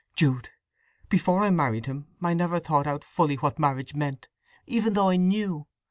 Jude, before I married him I had never thought out fully what marriage meant, even though I knew.